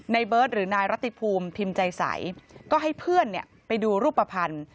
เบิร์ตหรือนายรัติภูมิพิมพ์ใจใสก็ให้เพื่อนไปดูรูปภัณฑ์